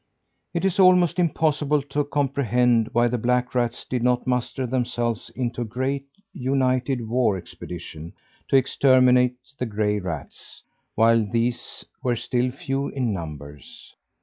It is almost impossible to comprehend why the black rats did not muster themselves into a great, united war expedition to exterminate the gray rats, while these were still few in numbers.